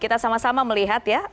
kita sama sama melihat ya